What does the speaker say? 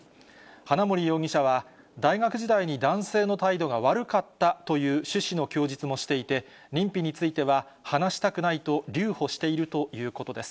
花森容疑者は、大学時代に男性の態度が悪かったという趣旨の供述をしていて、認否については、話したくないと留保しているということです。